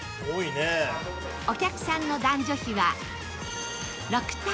お客さんの男女比は６対４